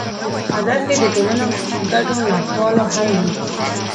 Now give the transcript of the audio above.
هدف یې د ټولنو ګډو ناخوالو حل دی.